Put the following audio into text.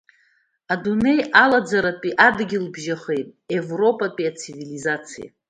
Адунеи алаӡаратәи адгьылбжьахеи европатәи ацивилизациеи.